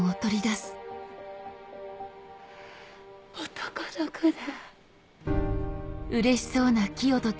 男の子だ！